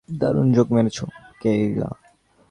দারুণ জোক মেরেছো, কেয়লা।